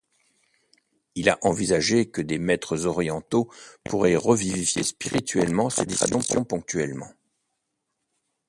Il a envisagé que des maîtres orientaux pourraient revivifier spirituellement ces traditions ponctuellement.